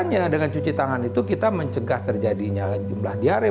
makanya dengan cuci tangan itu kita mencegah terjadinya jumlah diare